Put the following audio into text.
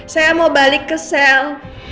saya mau balik ke sel